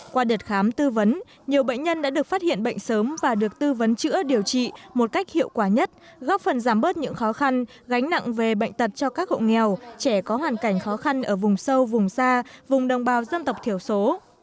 qua đợt khám tư vấn nhiều bệnh nhân đã được phát hiện bệnh sớm và được tư vấn chữa điều trị một cách hiệu quả nhất góp phần giảm bớt những khó khăn gánh nặng về bệnh tật cho các hộ nghèo trẻ có hoàn cảnh khó khăn ở vùng sâu vùng xa vùng đồng bào dân tộc thiểu số